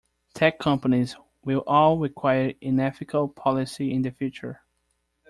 Tech companies will all require an ethical policy in the future.